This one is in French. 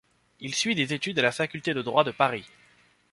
Il suit des études à la faculté de droit de Paris.